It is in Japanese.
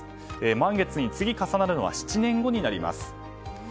満月に次、重なるのは７年後になります。